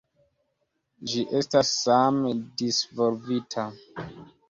Ĝi estas same disvolvita.